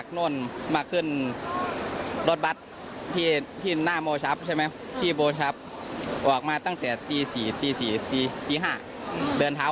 ตอนนั้นไม่กลัวเหรอคะที่เดินออกไปหรือว่ามันพันธุ์หรือเปล่า